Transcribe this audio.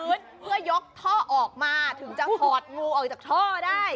เพื่อยกท่อออกมาถึงจะถอดงูออกจากท่อได้